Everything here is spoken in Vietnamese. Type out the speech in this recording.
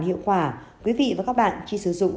hiệu quả quý vị và các bạn khi sử dụng